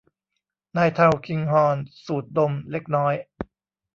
นายทัลคิงฮอร์นสูดดมเล็กน้อย